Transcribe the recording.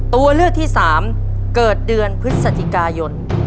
ตัวเลือกที่สามเกิดเดือนพฤศจิกายน